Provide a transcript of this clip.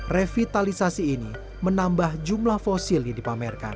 revitalisasi ini menambah jumlah fosil yang dipamerkan